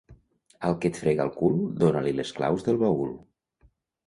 Al que et frega el cul dóna-li les claus del baül.